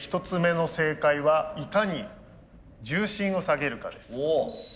１つ目の正解はいかに重心を下げるかです。